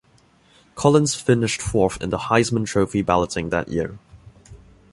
Collins finished fourth in the Heisman Trophy balloting that year.